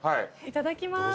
いただきます。